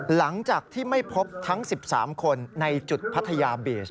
หลังจากที่ไม่พบทั้ง๑๓คนในจุดพัทยาบีช